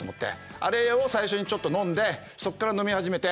あれを最初にちょっと飲んでそっから飲み始めて。